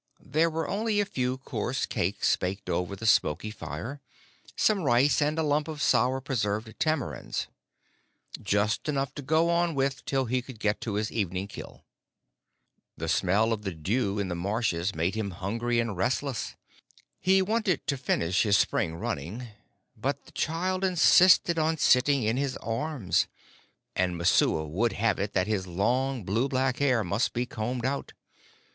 There were only a few coarse cakes baked over the smoky fire, some rice, and a lump of sour preserved tamarinds just enough to go on with till he could get to his evening kill. The smell of the dew in the marshes made him hungry and restless. He wanted to finish his spring running, but the child insisted on sitting in his arms, and Messua would have it that his long, blue black hair must be combed out.